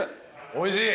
おいしい！